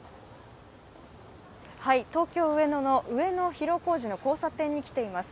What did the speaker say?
東京・上野の上野広小路の交差点に来ています。